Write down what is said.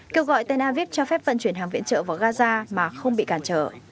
kêu gọi tenavib cho phép vận chuyển hàng viện trợ vào gaza mà không bị cản trở